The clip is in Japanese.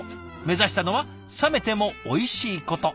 目指したのは冷めてもおいしいこと。